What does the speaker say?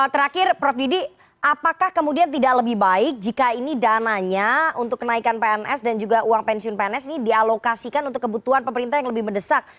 terakhir prof didi apakah kemudian tidak lebih baik jika ini dananya untuk kenaikan pns dan juga uang pensiun pns ini dialokasikan untuk kebutuhan pemerintah yang lebih mendesak